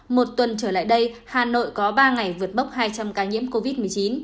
một tuần trở lại đây hà nội có ba ngày vượt mốc hai trăm linh ca nhiễm covid một mươi chín